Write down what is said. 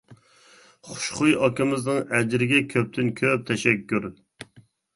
خۇشخۇي ئاكىمىزنىڭ ئەجرىگە كۆپتىن كۆپ تەشەككۈر.